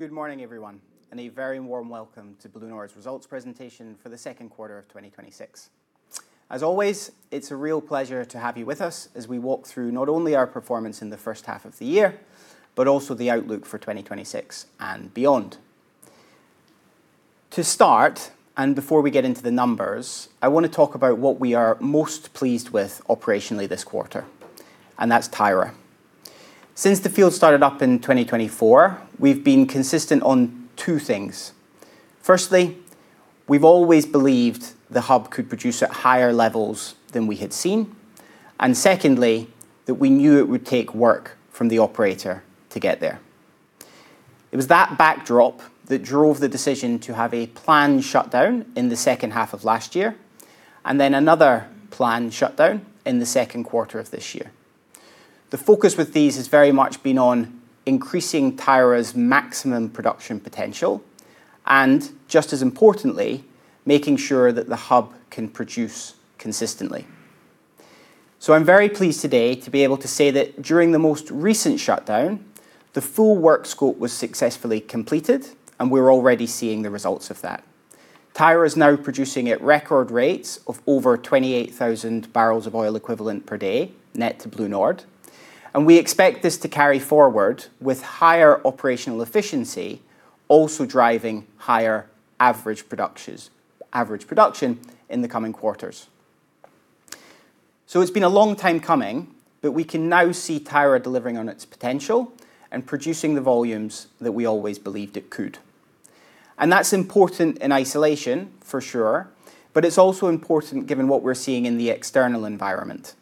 Good morning, everyone, and a very warm welcome to BlueNord's Results Presentation for the Second Quarter of 2026. As always, it's a real pleasure to have you with us as we walk through not only our performance in the first half of the year, but also the outlook for 2026 and beyond. To start, and before we get into the numbers, I want to talk about what we are most pleased with operationally this quarter, and that is Tyra. Since the field started up in 2024, we've been consistent on two things. Firstly, we've always believed the hub could produce at higher levels than we had seen, and secondly, that we knew it would take work from the operator to get there. It was that backdrop that drove the decision to have a planned shutdown in the second half of last year, and then another planned shutdown in the second quarter of this year. The focus with these has very much been on increasing Tyra's maximum production potential and, just as importantly, making sure that the hub can produce consistently. I'm very pleased today to be able to say that during the most recent shutdown, the full work scope was successfully completed, and we're already seeing the results of that. Tyra is now producing at record rates of over 28,000 bbl of oil equivalent per day net to BlueNord, and we expect this to carry forward with higher operational efficiency, also driving higher average production in the coming quarters. It's been a long time coming, but we can now see Tyra delivering on its potential and producing the volumes that we always believed it could. That's important in isolation for sure, but it's also important given what we're seeing in the external environment.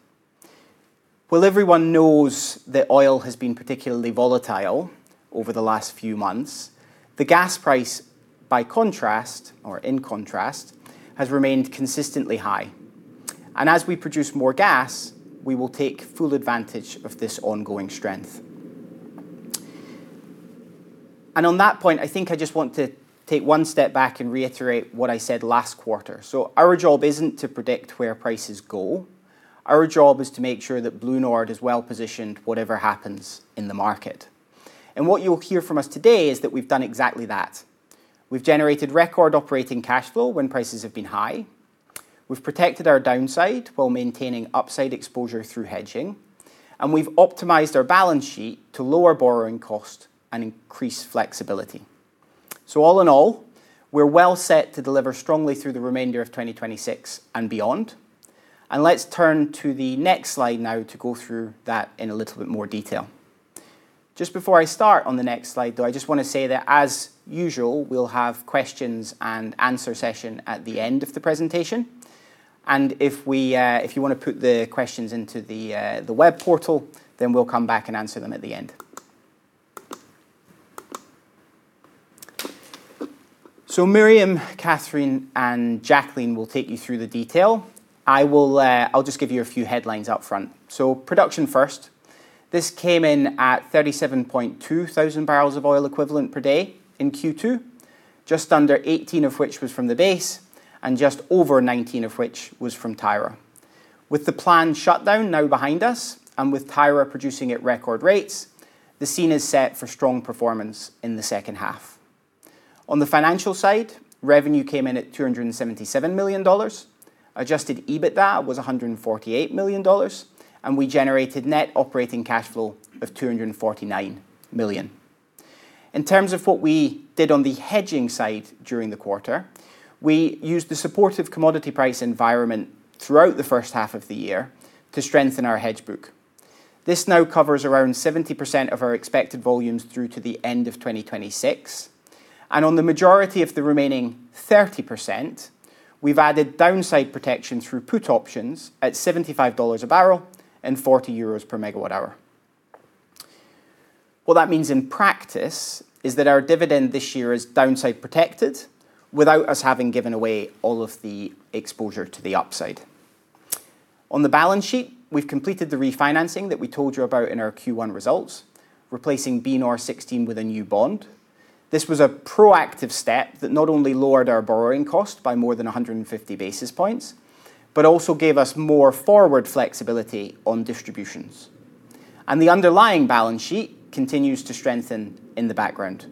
While everyone knows that oil has been particularly volatile over the last few months, the gas price, by contrast, or in contrast, has remained consistently high. As we produce more gas, we will take full advantage of this ongoing strength. On that point, I think I just want to take one step back and reiterate what I said last quarter. Our job isn't to predict where prices go. Our job is to make sure that BlueNord is well-positioned whatever happens in the market. What you'll hear from us today is that we've done exactly that. We've generated record operating cash flow when prices have been high, we've protected our downside while maintaining upside exposure through hedging, and we've optimized our balance sheet to lower borrowing cost and increase flexibility. All in all, we're well set to deliver strongly through the remainder of 2026 and beyond. Let's turn to the next slide now to go through that in a little bit more detail. Just before I start on the next slide, though, I just want to say that, as usual, we'll have Q&A session at the end of the presentation, and if you want to put the questions into the web portal, then we'll come back and answer them at the end. Miriam, Cathrine, and Jacqueline will take you through the detail. I'll just give you a few headlines upfront. Production first, this came in at 37,200 bbl of oil equivalent per day in Q2, just under 18,000 of which was from the base, and just over 19,000 of which was from Tyra. With the planned shutdown now behind us, and with Tyra producing at record rates, the scene is set for strong performance in the second half. On the financial side, revenue came in at $277 million, adjusted EBITDA was $148 million, and we generated net operating cash flow of $249 million. In terms of what we did on the hedging side during the quarter, we used the supportive commodity price environment throughout the first half of the year to strengthen our hedge book. This now covers around 70% of our expected volumes through to the end of 2026, and on the majority of the remaining 30%, we've added downside protection through put options at $75/bbl and 40 euros/MWh. What that means in practice is that our dividend this year is downside protected without us having given away all of the exposure to the upside. On the balance sheet, we've completed the refinancing that we told you about in our Q1 results, replacing BNOR16 with a new bond. This was a proactive step that not only lowered our borrowing costs by more than 150 basis points, but also gave us more forward flexibility on distributions. The underlying balance sheet continues to strengthen in the background.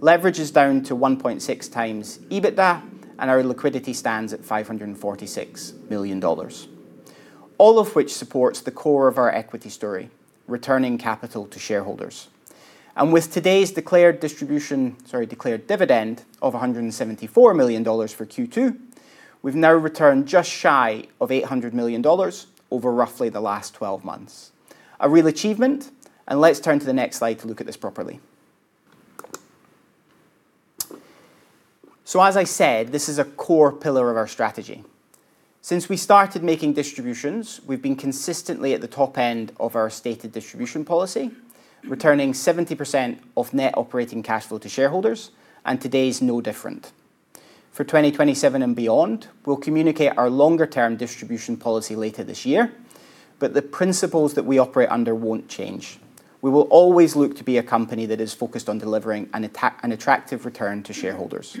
Leverage is down to 1.6x adjusted EBITDA, and our liquidity stands at $546 million. All of which supports the core of our equity story, returning capital to shareholders. With today's declared dividend of $174 million for Q2, we've now returned just shy of $800 million over roughly the last 12 months. A real achievement. Let's turn to the next slide to look at this properly. As I said, this is a core pillar of our strategy. Since we started making distributions, we've been consistently at the top end of our stated distribution policy, returning 70% of net operating cash flow to shareholders, and today's no different. For 2027 and beyond, we'll communicate our longer-term distribution policy later this year, but the principles that we operate under won't change. We will always look to be a company that is focused on delivering an attractive return to shareholders.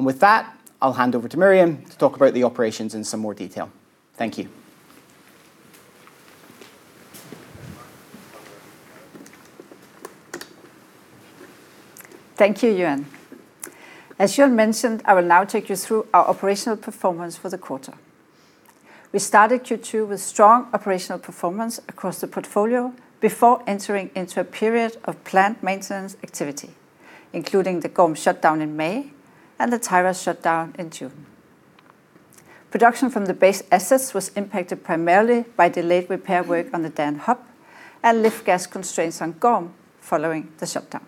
With that, I'll hand over to Miriam to talk about the operations in more detail. Thank you Thank you, Euan. As Euan mentioned, I will now take you through our operational performance for the quarter. We started Q2 with strong operational performance across the portfolio before entering into a period of planned maintenance activity, including the Gorm shutdown in May and the Tyra shutdown in June. Production from the base assets was impacted primarily by delayed repair work on the Dan hub and lift gas constraints on Gorm following the shutdown.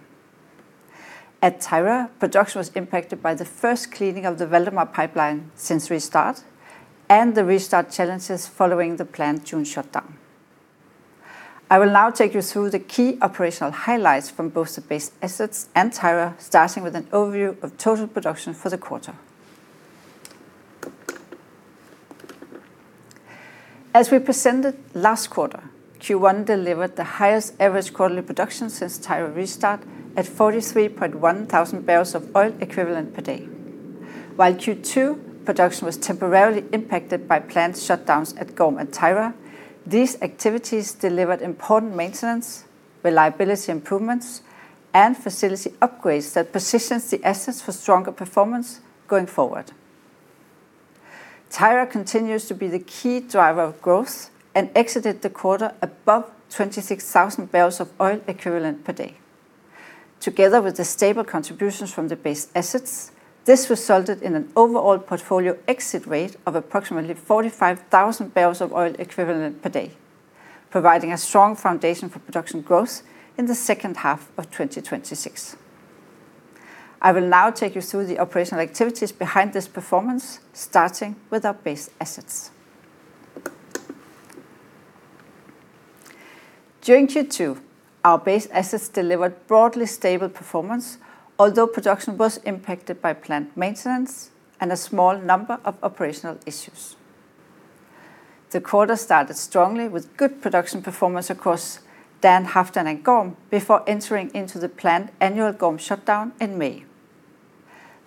At Tyra, production was impacted by the first cleaning of the Valdemar pipeline since restart and the restart challenges following the planned June shutdown. I will now take you through the key operational highlights from both the base assets and Tyra, starting with an overview of total production for the quarter. As we presented last quarter, Q1 delivered the highest average quarterly production since Tyra restart at 43,100 bbl of oil equivalent per day. While Q2 production was temporarily impacted by planned shutdowns at Gorm and Tyra, these activities delivered important maintenance, reliability improvements, and facility upgrades that positions the assets for stronger performance going forward. Tyra continues to be the key driver of growth and exited the quarter above 26,000 bbl of oil equivalent per day. Together with the stable contributions from the base assets, this resulted in an overall portfolio exit rate of approximately 45,000 bbl of oil equivalent per day, providing a strong foundation for production growth in the second half of 2026. I will now take you through the operational activities behind this performance, starting with our base assets. During Q2, our base assets delivered broadly stable performance, although production was impacted by planned maintenance and a small number of operational issues. The quarter started strongly with good production performance across Dan, Halfdan, and Gorm before entering into the planned annual Gorm shutdown in May.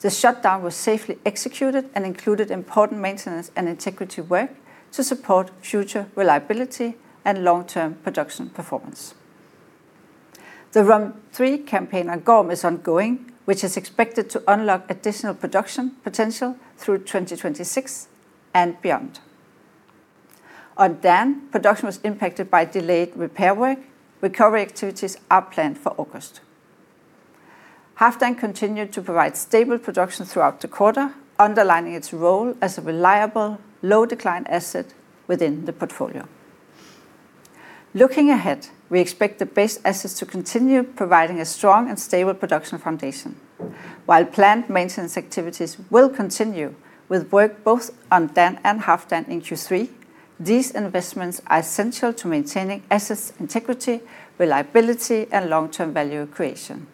The shutdown was safely executed and included important maintenance and integrity work to support future reliability and long-term production performance. The WCRM III campaign on Gorm is ongoing, which is expected to unlock additional production potential through 2026 and beyond. On Dan, production was impacted by delayed repair work. Recovery activities are planned for August. Halfdan continued to provide stable production throughout the quarter, underlining its role as a reliable, low-decline asset within the portfolio. Looking ahead, we expect the base assets to continue providing a strong and stable production foundation. While planned maintenance activities will continue with work both on Dan and Halfdan in Q3, these investments are essential to maintaining asset integrity, reliability, and long-term value creation.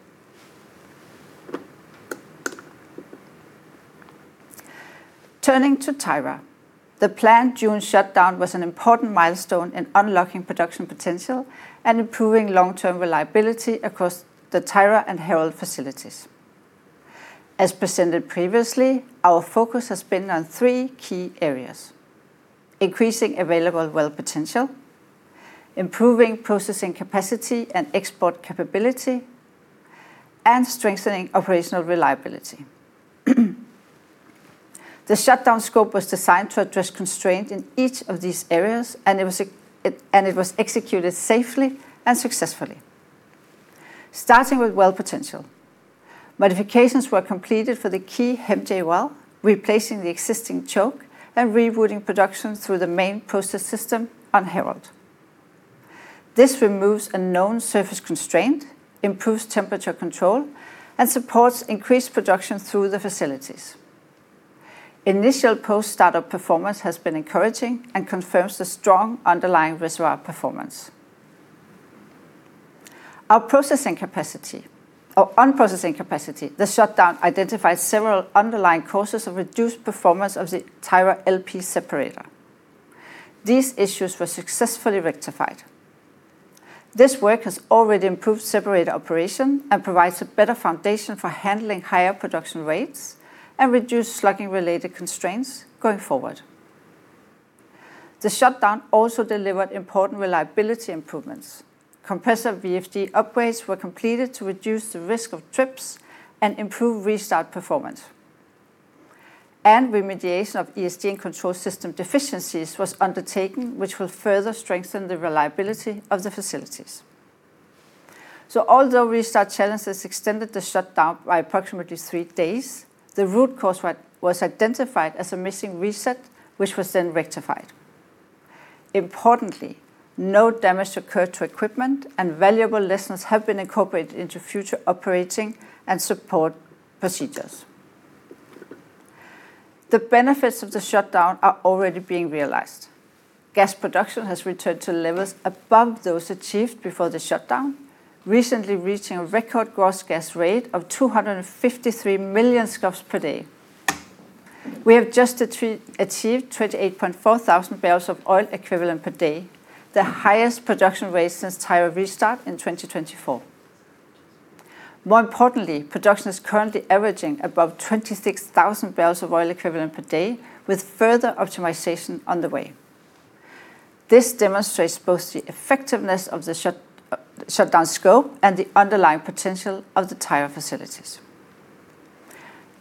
Turning to Tyra, the planned June shutdown was an important milestone in unlocking production potential and improving long-term reliability across the Tyra and Harald facilities. As presented previously, our focus has been on three key areas: increasing available well potential, improving processing capacity and export capability, and strengthening operational reliability. The shutdown scope was designed to address constraint in each of these areas, and it was executed safely and successfully. Starting with well potential. Modifications were completed for the key HEM-J well, replacing the existing choke and rerouting production through the main process system on Harald. This removes a known surface constraint, improves temperature control, and supports increased production through the facility. Initial post-startup performance has been encouraging and confirms the strong underlying reservoir performance. On processing capacity, the shutdown identified several underlying causes of reduced performance of the Tyra LP separator. These issues were successfully rectified. This work has already improved separator operation and provides a better foundation for handling higher production rates and reducing slugging-related constraints going forward. The shutdown also delivered important reliability improvements. Compressor VFD upgrades were completed to reduce the risk of trips and improve restart performance. Remediation of ESD and control system deficiencies was undertaken, which will further strengthen the reliability of the facilities. Although restart challenges extended the shutdown by approximately three days, the root cause was identified as a missing reset, which was then rectified. Importantly, no damage occurred to equipment, and valuable lessons have been incorporated into future operating and support procedures. The benefits of the shutdown are already being realized. Gas production has returned to levels above those achieved before the shutdown, recently reaching a record gross gas rate of 253 mmscf/D. We have just achieved 28,400 bbl of oil equivalent per day, the highest production rate since Tyra restart in 2024. More importantly, production is currently averaging above 26,000 bbl of oil equivalent per day, with further optimization on the way. This demonstrates both the effectiveness of the shutdown scope and the underlying potential of the entire facilities.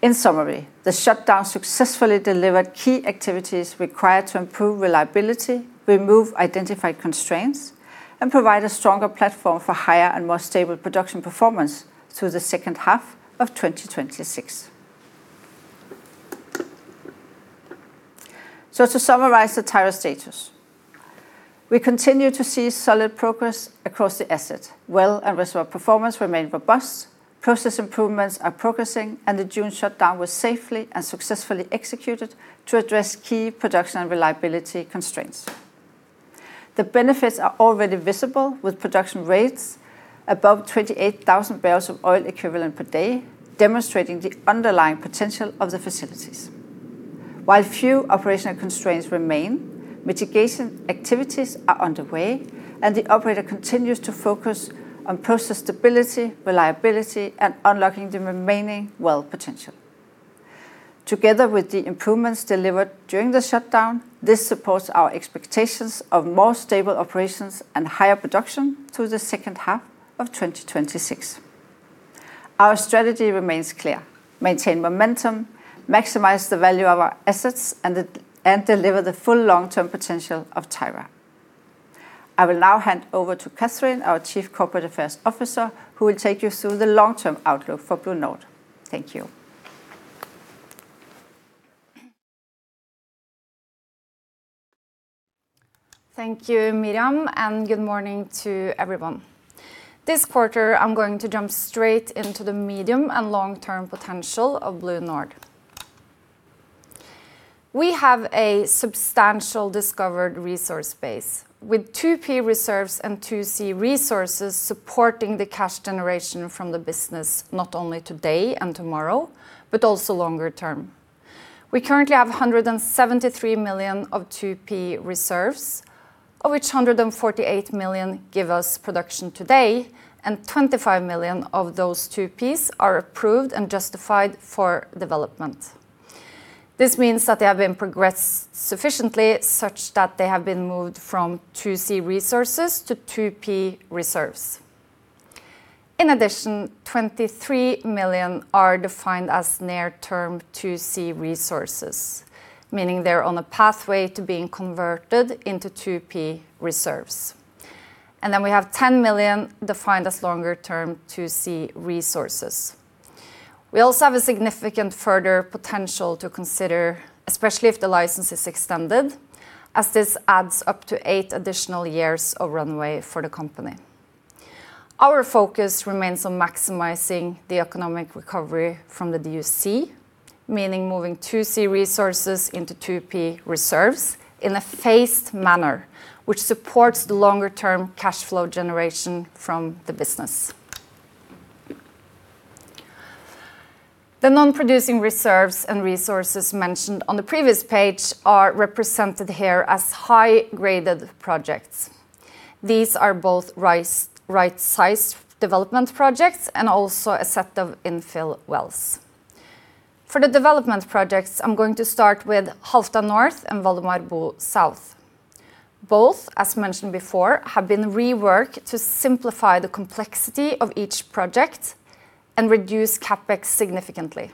In summary, the shutdown successfully delivered key activities required to improve reliability, remove identified constraints, and provide a stronger platform for higher and more stable production performance through the second half of 2026. To summarize the Tyra status, we continue to see solid progress across the asset. Well and reservoir performance remain robust, process improvements are progressing, and the June shutdown was safely and successfully executed to address key production and reliability constraints. The benefits are already visible, with production rates above 28,000 bbl of oil equivalent per day, demonstrating the underlying potential of the facilities. While few a operational constraints remain, mitigation activities are underway, and the operator continues to focus on process stability, reliability, and unlocking the remaining well potential. Together with the improvements delivered during the shutdown, this supports our expectations of more stable operations and higher production through the second half of 2026. Our strategy remains clear: maintain momentum, maximize the value of our assets, and deliver the full long-term potential of Tyra. I will now hand over to Cathrine, our Chief Corporate Affairs Officer, who will take you through the long-term outlook for BlueNord. Thank you. Thank you, Miriam, and good morning to everyone. This quarter, I'm going to jump straight into the medium and long-term potential of BlueNord. We have a substantial discovered resource base with 2P reserves and 2C resources supporting the cash generation from the business, not only today and tomorrow, but also longer term. We currently have 173 million of 2P reserves, of which 148 million give us production today, and 25 million of those 2Ps are approved and justified for development. This means that they have been progressed sufficiently such that they have been moved from 2C resources to 2P reserves. In addition, 23 million are defined as near-term 2C resources, meaning they're on a pathway to being converted into 2P reserves. Then we have 10 million defined as longer-term 2C resources. We also have a further significant potential to consider, especially if the license is extended, as this adds up to eight additional years of runway for the company. Our focus remains on maximizing the economic recovery from the DUC, meaning moving 2C resources into 2P reserves in a phased manner, which supports the longer-term cash flow generation from the business. The non-producing reserves and resources mentioned on the previous page are represented here as high-graded projects. These are both right-sized development projects and also a set of infill wells. For the development projects, I'm going to start with Halfdan North and Valdemar Bo South. Both, as mentioned before, have been reworked to simplify the complexity of each project and reduce CapEx significantly.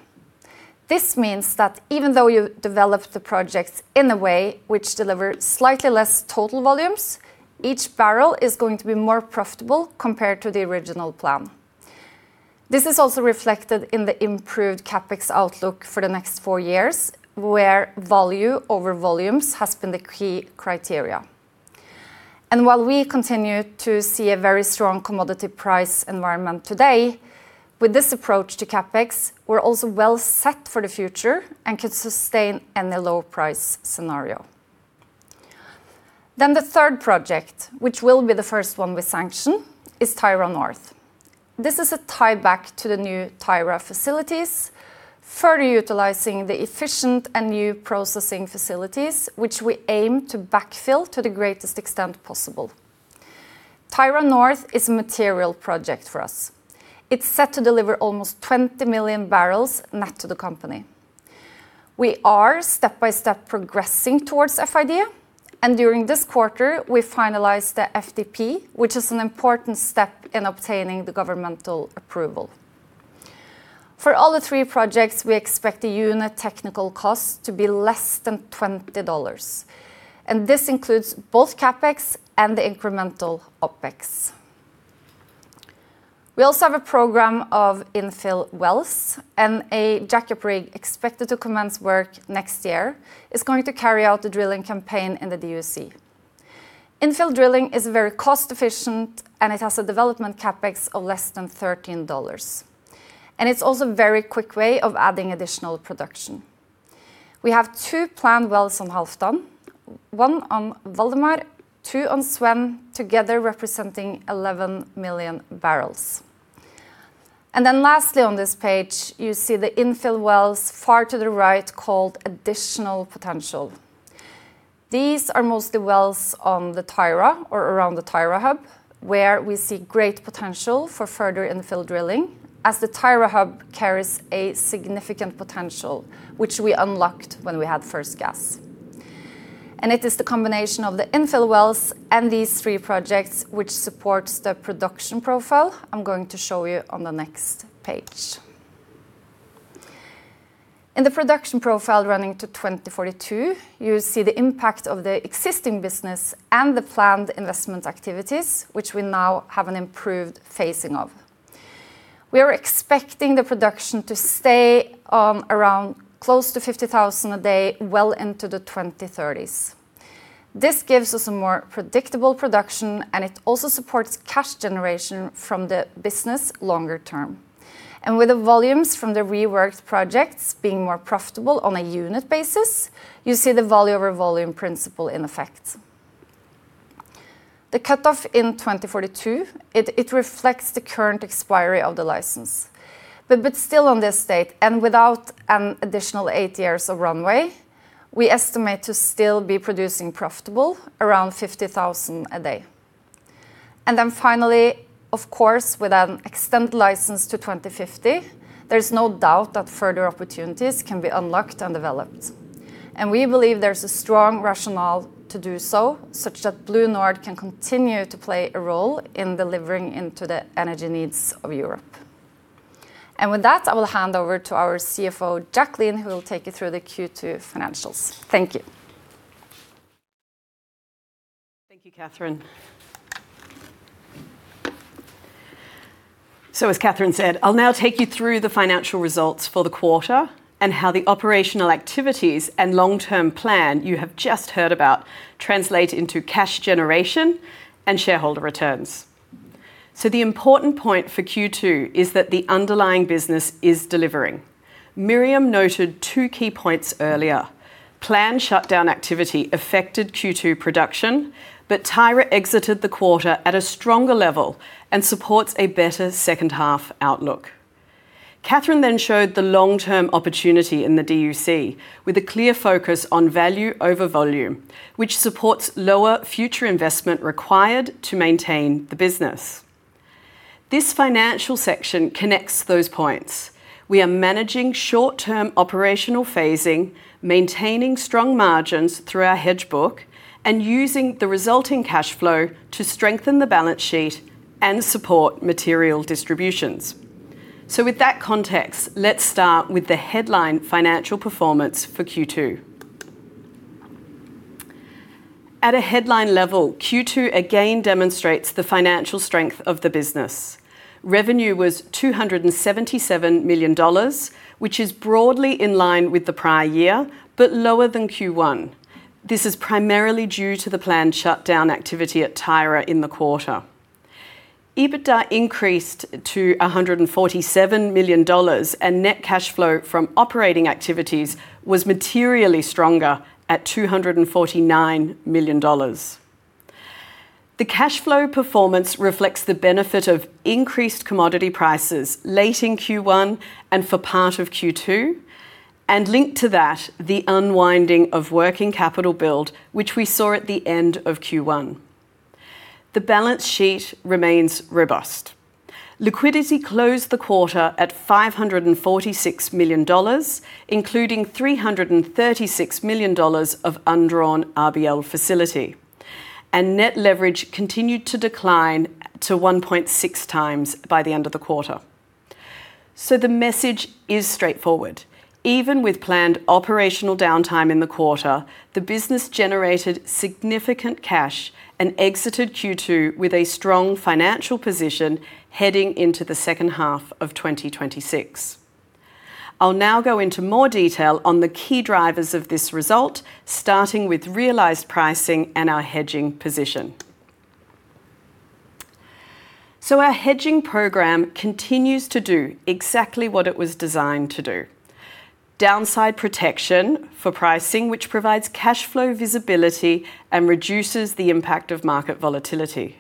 This means that even though you develop the projects in a way which delivers slightly less total volumes, each barrel is going to be more profitable compared to the original plan. This is also reflected in the improved CapEx outlook for the next four years, where value over volumes has been the key criteria. While we continue to see a very strong commodity price environment today, with this approach to CapEx, we're also well set for the future and could sustain any low price scenario. The third project, which will be the first one we sanction, is Tyra North. This is a tieback to the new Tyra facilities, further utilizing the efficient and new processing facilities, which we aim to backfill to the greatest extent possible. Tyra North is a material project for us. It's set to deliver almost 20 MMbbl net to the company. We are step-by-step progressing towards FID, and during this quarter, we finalized the FDP, which is an important step in obtaining the governmental approval. For all the three projects, we expect the unit technical cost to be less than $20, and this includes both CapEx and the incremental OpEx. We also have a program of infill wells, and a jackup rig expected to commence work next year is going to carry out the drilling campaign in the DUC. Infill drilling is very cost efficient, and it has a development CapEx of less than $13, and it's also a very quick way of adding additional production. We have two planned wells on Halfdan, one on Valdemar, two on Svend, together representing 11 MMb. Lastly on this page, you see the infill wells far to the right called Additional Potential. These are mostly wells on the Tyra or around the Tyra hub, where we see great potential for further infill drilling, as the Tyra hub carries a significant potential, which we unlocked when we had first gas. It is the combination of the infill wells and these three projects which supports the production profile I'm going to show you on the next page. In the production profile running to 2042, you see the impact of the existing business and the planned investment activities, which we now have an improved phasing of. We are expecting the production to stay around close to 50,000 bbl a day well into the 2030s. This gives us a more predictable production, and it also supports cash generation from the business longer term. With the volumes from the reworked projects being more profitable on a unit basis, you see the value over volume principle in effect. The cutoff in 2042 reflects the current expiry of the license. Still on this date, and without an additional eight years of runway, we estimate to still be producing profitable around 50,000 bbl a day. Finally, of course, with an extended license to 2050, there is no doubt that further opportunities can be unlocked and developed. We believe there is a strong rationale to do so, such that BlueNord can continue to play a role in delivering into the energy needs of Europe. With that, I will hand over to our CFO, Jacqueline, who will take you through the Q2 financials. Thank you. Thank you, Cathrine. As Cathrine said, I will now take you through the financial results for the quarter and how the operational activities and long-term plan you have just heard about translate into cash generation and shareholder returns. The important point for Q2 is that the underlying business is delivering. Miriam noted two key points earlier. Planned shutdown activity affected Q2 production, but Tyra exited the quarter at a stronger level and supports a better second half outlook. Cathrine then showed the long-term opportunity in the DUC with a clear focus on value over volume, which supports lower future investment required to maintain the business. This financial section connects those points. We are managing short-term operational phasing, maintaining strong margins through our hedge book, and using the resulting cash flow to strengthen the balance sheet and support material distributions. With that context, let us start with the headline financial performance for Q2. At a headline level, Q2 again demonstrates the financial strength of the business. Revenue was $277 million, which is broadly in line with the prior year, but lower than Q1. This is primarily due to the planned shutdown activity at Tyra in the quarter. Adjusted EBITDA increased to $147 million, and net cash flow from operating activities was materially stronger at $249 million. The cash flow performance reflects the benefit of increased commodity prices late in Q1 and for part of Q2, and linked to that, the unwinding of working capital build, which we saw at the end of Q1. The balance sheet remains robust. Liquidity closed the quarter at $546 million, including $336 million of undrawn the RBL facility. And net leverage continued to decline to 1.6x by the end of the quarter. The message is straightforward. Even with planned operational downtime in the quarter, the business generated significant cash and exited Q2 with a strong financial position heading into the second half of 2026. I will now go into more detail on the key drivers of this result, starting with realized pricing and our hedging position. Our hedging program continues to do exactly what it was designed to do, downside protection for pricing, which provides cash flow visibility and reduces the impact of market volatility.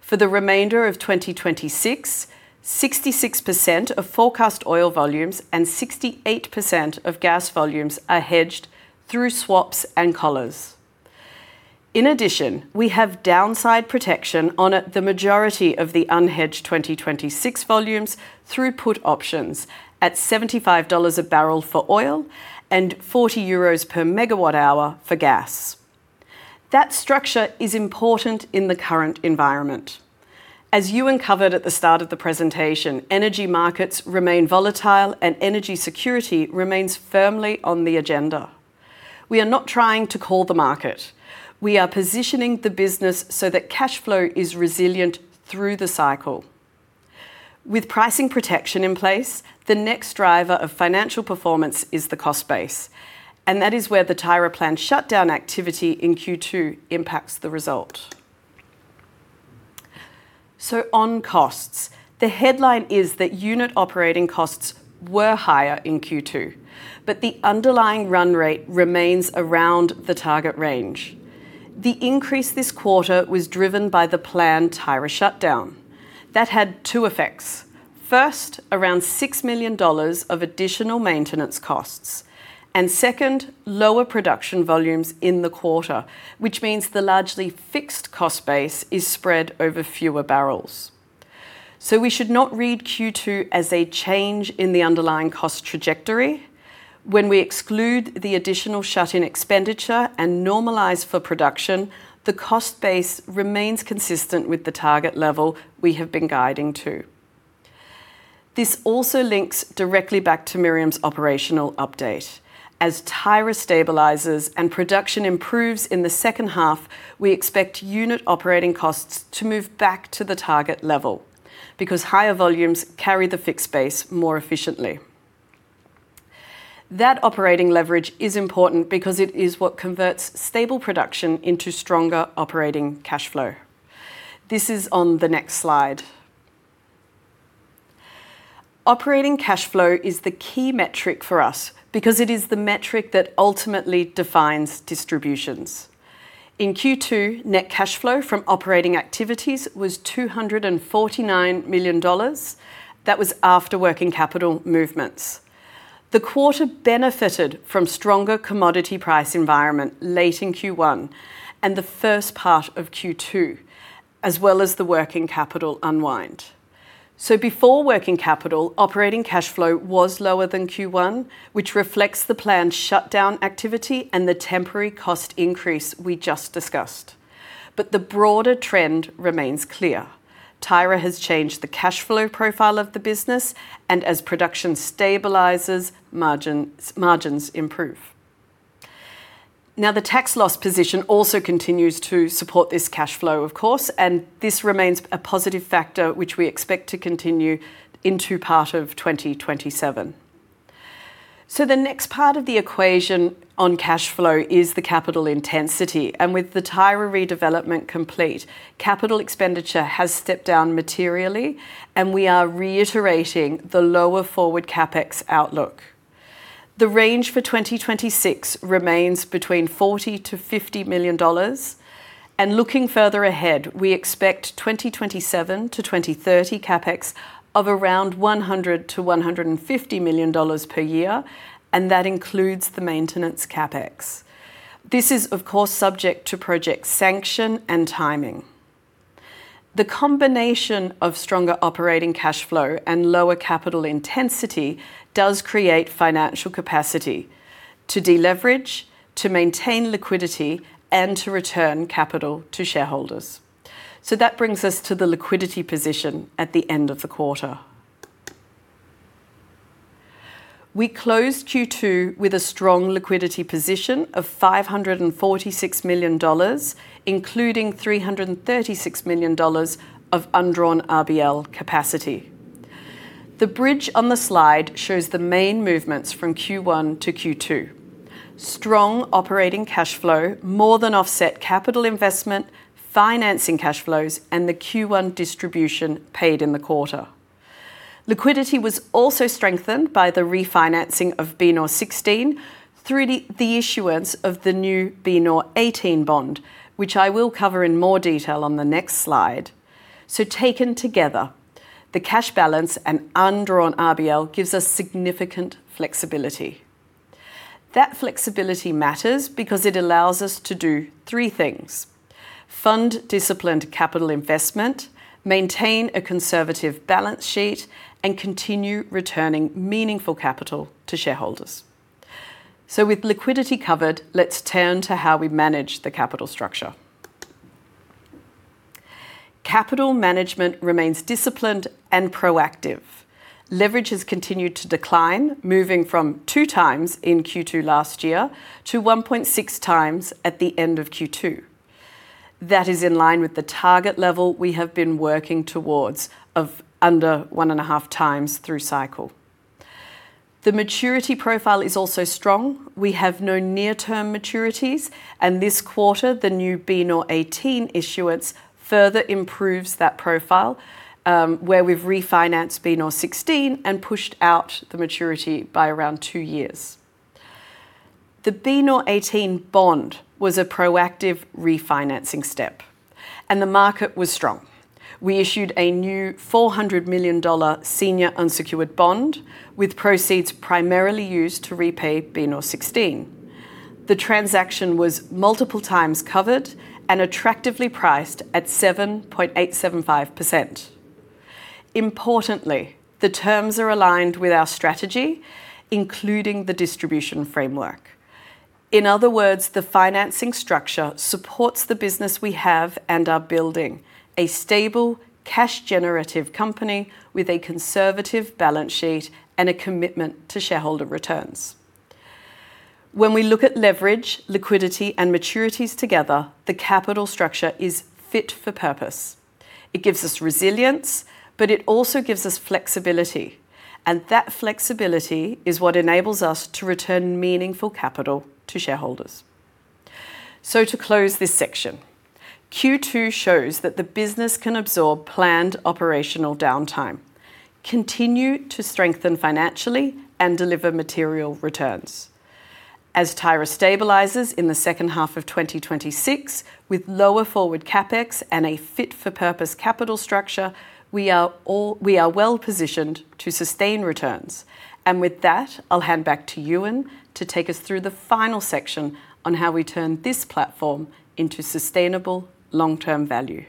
For the remainder of 2026, 66% of forecasted oil volumes and 68% of gas volumes are hedged through swaps and collars. In addition, we have downside protection on the majority of the unhedged 2026 volumes through put options at $75/bbl for oil and 40 euros/MWh for gas. That structure is important in the current environment. As Euan covered at the start of the presentation, energy markets remain volatile, and energy security remains firmly on the agenda. We are not trying to call the market. We are positioning the business so that cash flow is resilient through the cycle. With pricing protection in place, the next driver of financial performance is the cost base, and that is where the Tyra hub plant shutdown activity in Q2 impacts the result. On costs, the headline is that unit operating costs were higher in Q2, but the underlying run rate remains around the target range. The increase this quarter was driven by the planned Tyra shutdown. That had two effects. First, around $6 million of additional maintenance costs and second, lower production volumes in the quarter, which means the largely fixed cost base is spread over fewer barrels. We should not read Q2 as a change in the underlying cost trajectory. When we exclude the additional shut-in expenditure and normalize for production, the cost base remains consistent with the target level we have been guiding to. This also links directly back to Miriam’s operational update. As Tyra stabilizes and production improves in the second half, we expect unit operating costs to move back to the target level because higher volumes carry the fixed base more efficiently. That operating leverage is important because it is what converts stable production into stronger operating cash flow. This is on the next slide. Operating cash flow is the key metric for us because it is the metric that ultimately defines distributions. In Q2, net cash flow from operating activities was $249 million. That was after working capital movements. The quarter benefited from stronger commodity price environment late in Q1 and the first part of Q2, as well as the working capital unwind. Before working capital, operating cash flow was lower than Q1, which reflects the planned shutdown activity and the temporary cost increase we just discussed. The broader trend remains clear. Tyra has changed the cash flow profile of the business, and as production stabilizes, margins improve. The tax loss position also continues to support this cash flow of course, and this remains a positive factor which we expect to continue into part of 2027. The next part of the equation on cash flow is the capital intensity, and with the Tyra redevelopment complete, capital expenditure has stepped down materially and we are reiterating the lower forward CapEx outlook. The range for 2026 remains between $40 million-$50 million. Looking further ahead, we expect 2027 to 2030 CapEx of around $100 million-$150 million per year, and that includes the maintenance CapEx. This is of course subject to project sanction and timing. The combination of stronger operating cash flow and lower capital intensity does create financial capacity to deleverage, to maintain liquidity, and to return capital to shareholders. That brings us to the liquidity position at the end of the quarter. We closed Q2 with a strong liquidity position of $546 million, including $336 million of undrawn RBL facilities. The bridge on the slide shows the main movements from Q1 to Q2. Strong operating cash flow more than offset capital investment, financing cash flows, and the Q1 distribution paid in the quarter. Liquidity was also strengthened by the refinancing of BNOR16 through the issuance of the new BNOR18 bond, which I will cover in more detail on the next slide. Taken together, the cash balance and undrawn RBL gives us significant flexibility. That flexibility matters because it allows us to do three things: fund disciplined capital investment, maintain a conservative balance sheet, and continue returning meaningful capital to shareholders. With liquidity covered, let's turn to how we manage the capital structure. Capital management remains disciplined and proactive. Leverage has continued to decline, moving from 2x in Q2 last year to 1.6x at the end of Q2. That is in line with the target level we have been working towards of under 1.5x through cycle. The maturity profile is also strong. We have no near-term maturities, and this quarter, the new BNOR18 issuance further improves that profile, where we've refinanced BNOR16 and pushed out the maturity by around two years. The BNOR18 bond was a proactive refinancing step, and the market was strong. We issued a new $400 million senior unsecured bond with proceeds primarily used to repay BNOR16. The transaction multiple times covered and attractively priced at 7.875%. Importantly, the terms are aligned with our strategy, including the distribution framework. In other words, the financing structure supports the business we have and are building, a stable cash generative company with a conservative balance sheet and a commitment to shareholder returns. When we look at leverage, liquidity, and maturities together, the capital structure is fit for purpose. It gives us resilience, but it also gives us flexibility, and that flexibility is what enables us to return meaningful capital to shareholders. To close this section. Q2 shows that the business can absorb planned operational downtime, continue to strengthen financially, and deliver material returns. As Tyra stabilizes in the second half of 2026 with lower forward CapEx and a fit-for-purpose capital structure, we are well positioned to sustain returns. With that, I'll hand back to Euan to take us through the final section on how we turn this platform into sustainable long-term value.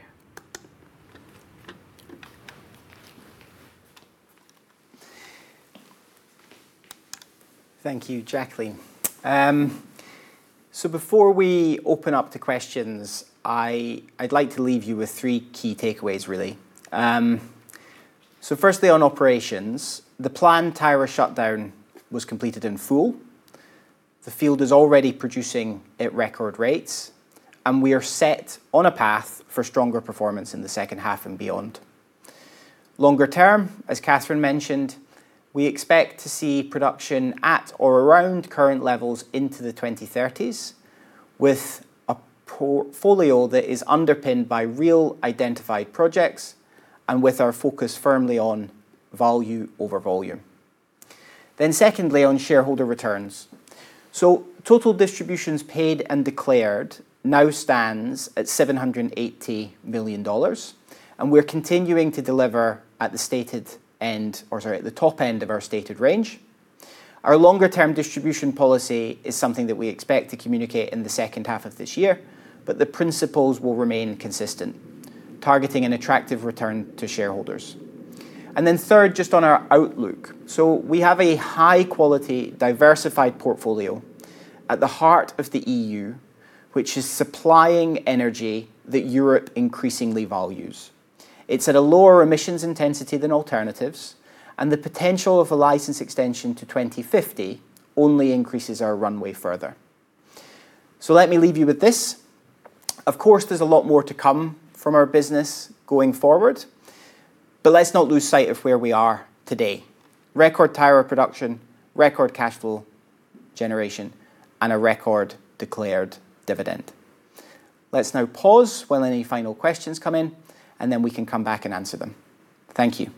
Thank you, Jacqueline. Before we open up to questions, I'd like to leave you with three key takeaways, really. Firstly on operations, the planned Tyra shutdown was completed in full. The field is already producing at record rates, and we are set on a path for stronger performance in the second half and beyond. Longer term, as Cathrine mentioned, we expect to see production at or around current levels into the 2030s with a portfolio that is underpinned by real identified projects and with our focus firmly on value over volume. Secondly, on shareholder returns. Total distributions paid and declared now stands at $780 million, and we're continuing to deliver at the top end of our stated range. Our longer-term distribution policy is something that we expect to communicate in the second half of this year, the principles will remain consistent, targeting an attractive return to shareholders. Third, just on our outlook. We have a high-quality, diversified portfolio at the heart of the E.U., which is supplying energy that Europe increasingly values. It's at a lower emissions intensity than alternatives, the potential of a license extension to 2050 only increases our runway further. Let me leave you with this. Of course, there's a lot more to come from our business going forward, let's not lose sight of where we are today. Record Tyra production, record cash flow generation, and a record declared dividend. Let's now pause while any final questions come in, we can come back and answer them. Thank you.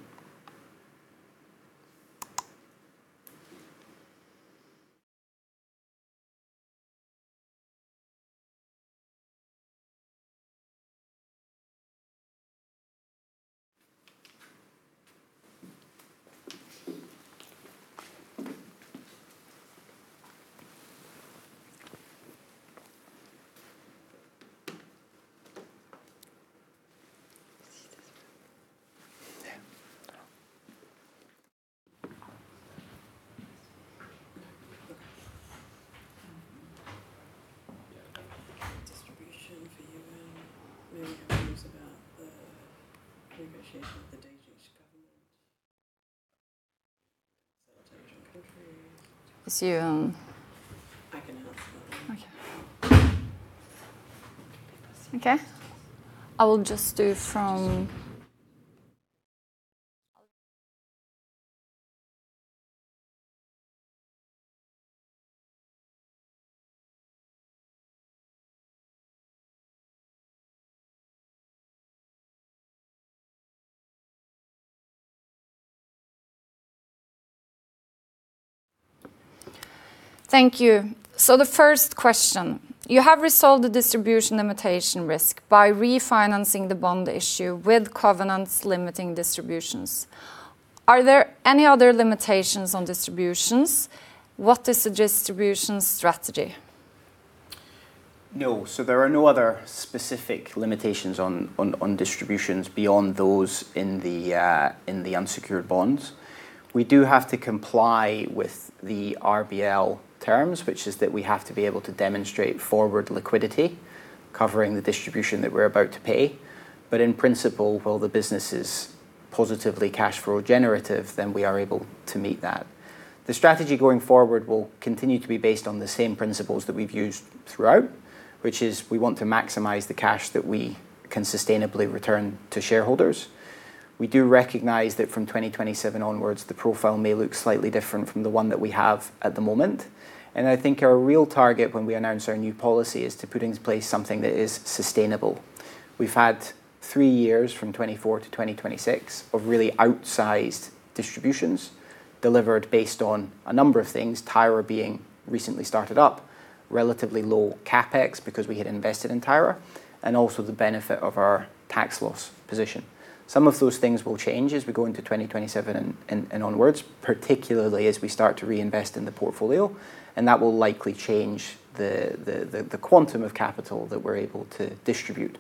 Okay. Thank you. The first question, you have resolved the distribution limitation risk by refinancing the bond issue with covenants limiting distributions. Are there any other limitations on distributions? What is the distribution strategy? No. There are no other specific limitations on distributions beyond those in the unsecured bonds. We do have to comply with the RBL terms, which is that we have to be able to demonstrate forward liquidity covering the distribution that we're about to pay. In principle, while the business is positively cash flow generative, we are able to meet that. The strategy going forward will continue to be based on the same principles that we've used throughout, which is we want to maximize the cash that we can sustainably return to shareholders. We do recognize that from 2027 onwards, the profile may look slightly different from the one that we have at the moment. I think our real target when we announce our new policy is to put into place something that is sustainable. We've had three years, from 2024-2026, of really outsized distributions delivered based on a number of things, Tyra being recently started up, relatively low CapEx because we had invested in Tyra, and also the benefit of our tax loss position. Some of those things will change as we go into 2027 and onwards, particularly as we start to reinvest in the portfolio, and that will likely change the quantum of capital that we're able to distribute.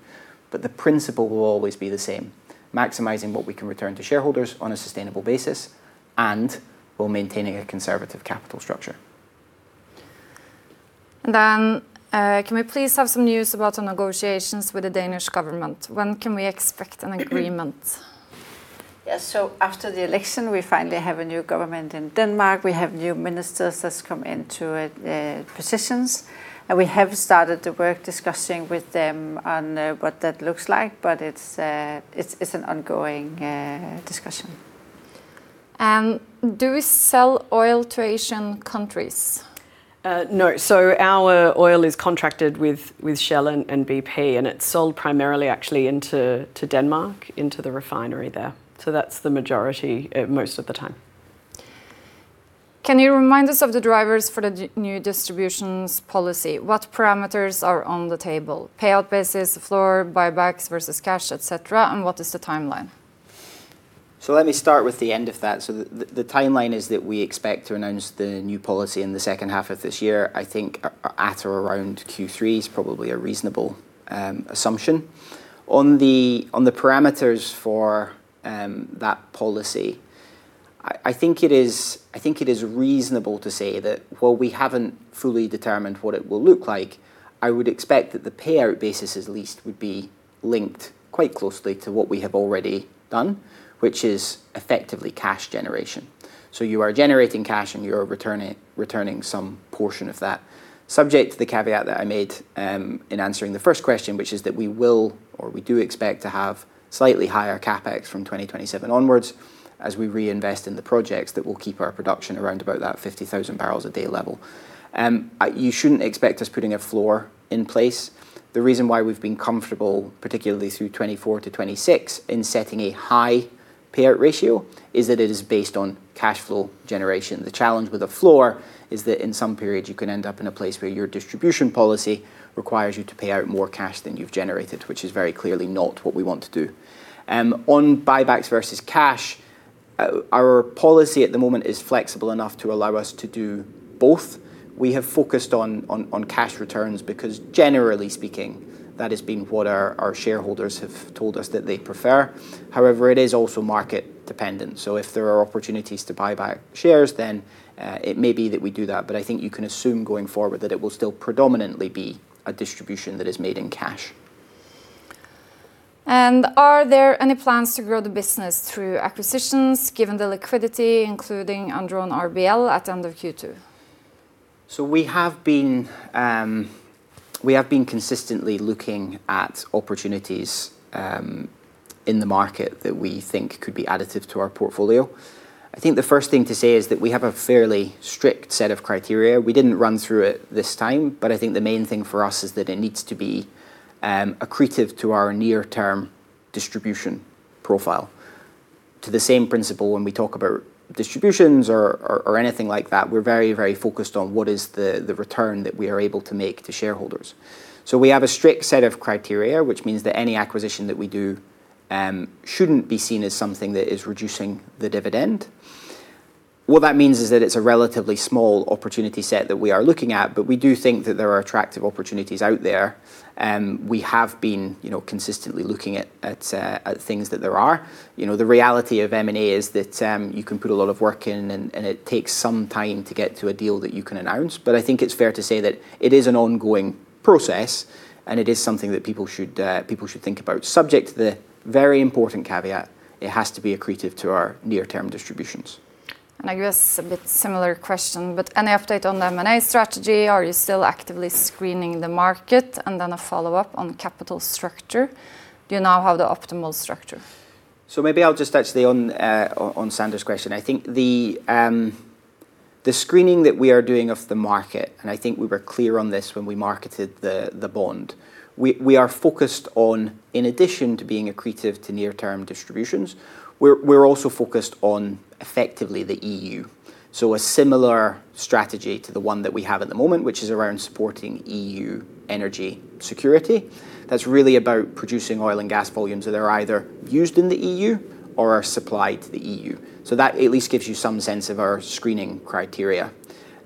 The principle will always be the same, maximizing what we can return to shareholders on a sustainable basis and while maintaining a conservative capital structure. Can we please have some news about the negotiations with the Danish government? When can we expect an agreement? After the election, we finally have a new government in Denmark. We have new ministers that's come into positions, and we have started the work discussing with them on what that looks like, but it's an ongoing discussion. Do we sell oil to Asian countries? No. Our oil is contracted with Shell and BP, and it's sold primarily actually into Denmark, into the refinery there. That's the majority most of the time. Can you remind us of the drivers for the new distributions policy? What parameters are on the table? Payout basis, floor, buybacks versus cash, et cetera, what is the timeline? Let me start with the end of that. The timeline is that we expect to announce the new policy in the second half of this year. I think at or around Q3 is probably a reasonable assumption. On the parameters for that policy, I think it is reasonable to say that while we haven't fully determined what it will look like, I would expect that the payout basis at least would be linked quite closely to what we have already done, which is effectively cash generation. You are generating cash and you're returning some portion of that, subject to the caveat that I made in answering the first question, which is that we will, or we do expect to have slightly higher CapEx from 2027 onwards as we reinvest in the projects that will keep our production around about that 50,000 bbl a day level. You shouldn't expect us putting a floor in place. The reason why we've been comfortable, particularly through 2024 to 2026, in setting a high payout ratio, is that it is based on cash flow generation. The challenge with a floor is that in some periods you can end up in a place where your distribution policy requires you to pay out more cash than you've generated, which is very clearly not what we want to do. On buybacks versus cash, our policy at the moment is flexible enough to allow us to do both. We have focused on cash returns because generally speaking, that has been what our shareholders have told that they prefer. However, it is also market dependent. If there are opportunities to buy back shares then it may be that we do that. I think you can assume going forward that it will still predominantly be a distribution that is made in cash. Are there any plans to grow the business through acquisitions, given the liquidity, including undrawn RBL at end of Q2? We have been consistently looking at opportunities in the market that we think could be additive to our portfolio. I think the first thing to say is that we have a fairly strict set of criteria. We didn't run through it this time, but I think the main thing for us is that it needs to be accretive to our near-term distribution profile. To the same principle when we talk about distributions or anything like that, we're very, very focused on what is the return that we are able to make to shareholders. We have a strict set of criteria, which means that any acquisition that we do shouldn't be seen as something that is reducing the dividend. What that means is that it's a relatively small opportunity set that we are looking at, we do think that there are attractive opportunities out there. We have been consistently looking at things that there are. The reality of M&A is that you can put a lot of work in and it takes some time to get to a deal that you can announce. I think it's fair to say that it is an ongoing process and it is something that people should think about, subject to the very important caveat, it has to be accretive to our near-term distributions. I guess a bit similar question, any update on the M&A strategy? Are you still actively screening the market? Then a follow-up on capital structure. Do you now have the optimal structure? Maybe I'll just actually on Sander's question. I think the screening that we are doing of the market, I think we were clear on this when we marketed the bond, we are focused on, in addition to being accretive to near-term distributions, we're also focused on effectively the E.U. A similar strategy to the one that we have at the moment, which is around supporting E.U. energy security. That's really about producing oil and gas volumes that are either used in the E.U. or are supplied to the E.U. That at least gives you some sense of our screening criteria.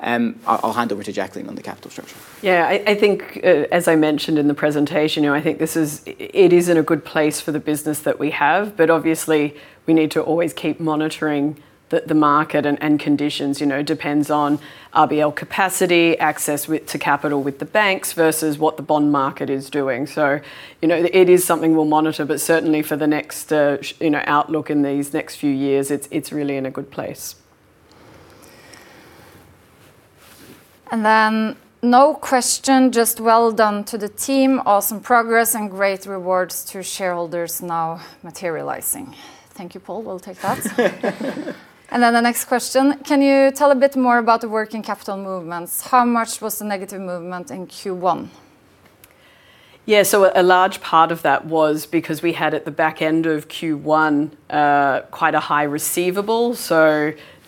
I'll hand over to Jacqueline on the capital structure. I think as I mentioned in the presentation, I think it is in a good place for the business that we have. Obviously we need to always keep monitoring the market and conditions. Depends on RBL capacity, access to capital with the banks versus what the bond market is doing. It is something we'll monitor, but certainly for the next outlook in these next few years, it's really in a good place. No question, just well done to the team. Awesome progress and great rewards to shareholders now materializing. Thank you, Paul. We'll take that. The next question, can you tell a bit more about the working capital movements? How much was the negative movement in Q1? A large part of that was because we had at the back end of Q1, quite a high receivable.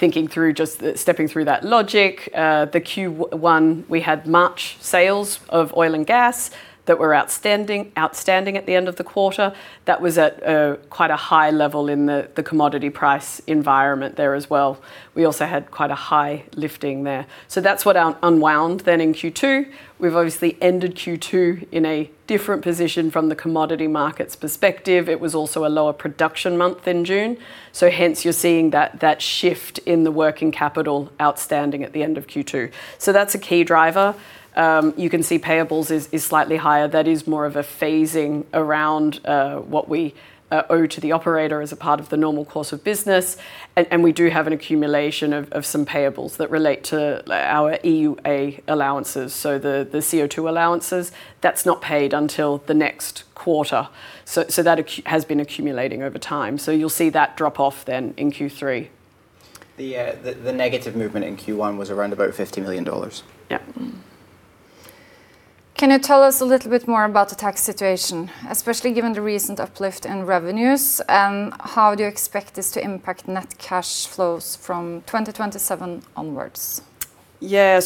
Thinking through, just stepping through that logic, the Q1 we had March sales of oil and gas that were outstanding at the end of the quarter. That was at quite a high level in the commodity price environment there as well. We also had quite a high lifting there. That's what unwound then in Q2. We've obviously ended Q2 in a different position from the commodity markets perspective. It was also a lower production month in June, hence you're seeing that shift in the working capital outstanding at the end of Q2. That's a key driver. You can see payables is slightly higher. That is more of a phasing around what we owe to the operator as a part of the normal course of business, and we do have an accumulation of some payables that relate to our EUA allowances. The CO2 allowances, that's not paid until the next quarter. That has been accumulating over time. You'll see that drop off then in Q3. The negative movement in Q1 was around about $50 million. Yeah. Can you tell us a little bit more about the tax situation, especially given the recent uplift in revenues? How do you expect this to impact net cash flows from 2027 onwards? Yeah.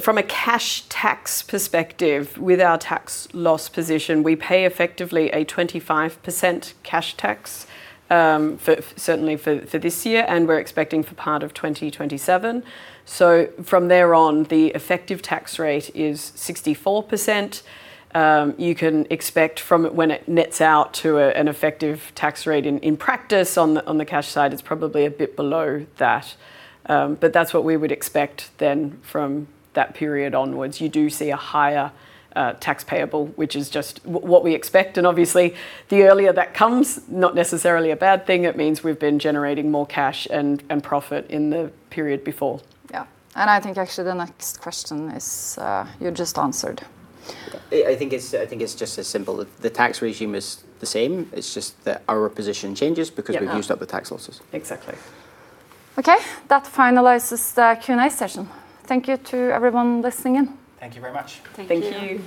From a cash tax perspective, with our tax loss position, we pay effectively a 25% cash tax, certainly for this year, and we're expecting for part of 2027. From there on, the effective tax rate is 64%. You can expect from it when it nets out to an effective tax rate in practice. On the cash side, it's probably a bit below that. That's what we would expect then from that period onwards. You do see a higher tax payable, which is just what we expect, and obviously the earlier that comes, not necessarily a bad thing. It means we've been generating more cash and profit in the period before. Yeah. I think actually the next question you just answered. I think it's just as simple. The tax regime is the same, it's just that our position changes because we've used up the tax losses. Exactly. Okay. That finalizes the Q&A session. Thank you to everyone listening in. Thank you very much. Thank you. Thank you.